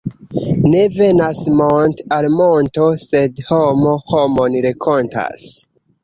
Ne venas mont' al monto, sed homo homon renkontas.